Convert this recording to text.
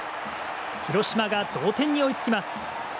広島が同点に追いつきます。